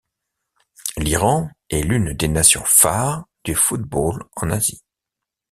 L'Iran est l'une des nations phares du football en Asie.